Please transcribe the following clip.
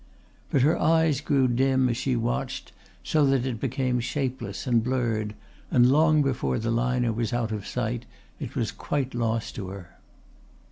But her eyes grew dim as she watched, so that it became shapeless and blurred, and long before the liner was out of sight it was quite lost to her.